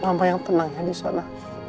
mama yang tenangnya di sana